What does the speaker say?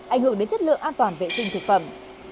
ảnh hưởng đến chất lượng an toàn vệ sinh thực phẩm